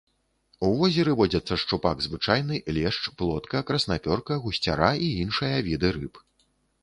У возеры водзяцца шчупак звычайны, лешч, плотка, краснапёрка, гусцяра і іншыя віды рыб.